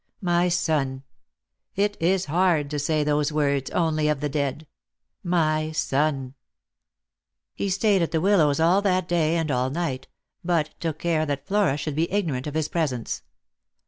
My son ! It is hard to say those words only of the dead. My son !" He stayed at the Willows all that day and all night, but took care that Flora should be ignorant of his presence.